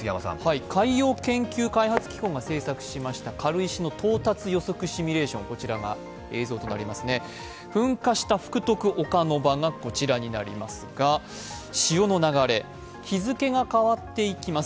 海洋研究開発機構が研究しました軽石の到達シミュレーション、噴火した福徳岡ノ場がこちらになりますが、潮の流れ、日付が変わっていきます